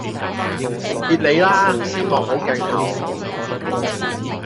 別理啦！先望好鏡頭